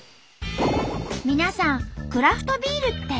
皆さんクラフトビールね。